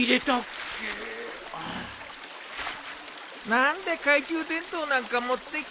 何で懐中電灯なんか持ってきたんだ。